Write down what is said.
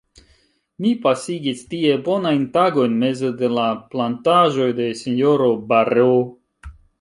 Mi pasigis tie bonajn tagojn meze de la plantaĵoj de S-ro Bareaud.